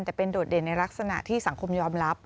แต่เป็นโดดเด่นในลักษณะที่สังคมยอมรับ